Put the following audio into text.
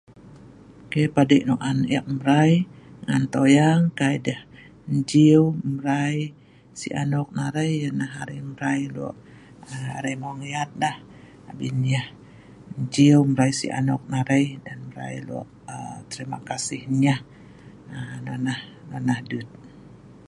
Ke' padei' nok an ek mrai ngan toyang, kai deh 'jieu mrai si anok nah arai nah arai mrai lo' arai mawang yat deh, abin yah 'jieu mrai si anok nah arai dan mrai lo' terima kasih ennyeh. Nah nah nonoh 'deut.